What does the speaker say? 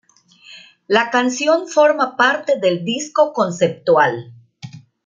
La canción forma parte del disco conceptual.